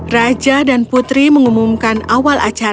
raja dan putri mengumumkan awal acara